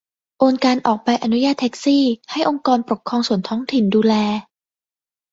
โอนการออกใบอนุญาตแท็กซี่ ให้องค์กรปกครองส่วนท้องถิ่นดูแล ?